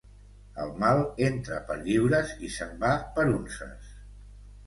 El mal entra per lliures i se'n va per unces.